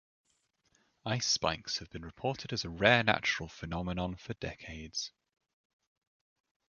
Ice spikes have been reported as a rare natural phenomenon for decades.